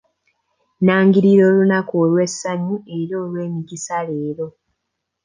Nangirira olunaku olw'essanyu era olw'emikisa leero.